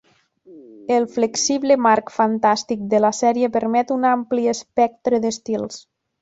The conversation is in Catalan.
El flexible marc fantàstic de la sèrie permet un ampli espectre d'estils.